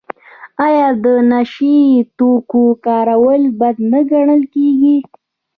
آیا د نشه یي توکو کارول بد نه ګڼل کیږي؟